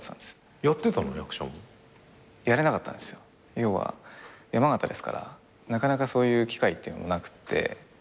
要は山形ですからなかなかそういう機会ってなくて。